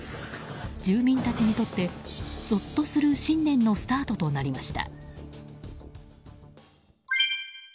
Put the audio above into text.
住民たちにとって、ぞっとする新年のスタートとなりました。